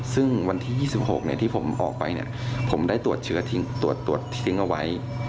ซึ่งวันที่๒๖ที่ผมออกไปผมได้ตรวจเชื้อตรวจทิ้งเอาไว้